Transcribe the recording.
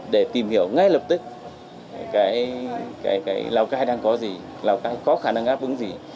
để tìm hiểu ngay lập tức cái lào cai đang có gì lào cai có khả năng đáp ứng gì